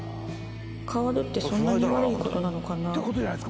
変わるってそんなに悪い事なのかな？